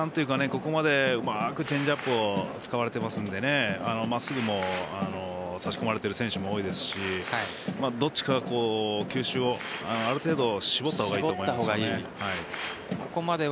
ここまでうまくチェンジアップを使われていますので真っすぐも差し込まれている選手も多いですしどっちか球種をある程度絞ったほうがいいと思います。